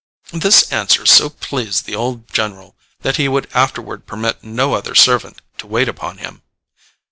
This answer so pleased the old general that he would afterward permit no other servant to wait upon him.